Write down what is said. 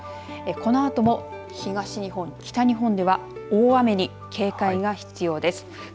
このあとも東日本、北日本では大雨に警戒が必要です。